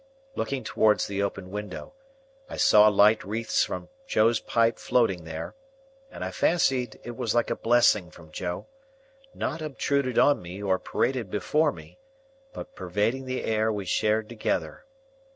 Looking towards the open window, I saw light wreaths from Joe's pipe floating there, and I fancied it was like a blessing from Joe,—not obtruded on me or paraded before me, but pervading the air we shared together.